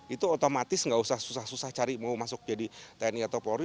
itu otomatis nggak usah susah susah cari mau masuk jadi tni atau polri